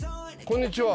こんにちは。